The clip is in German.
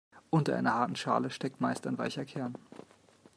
Unter einer harten Schale steckt meist ein weicher Kern.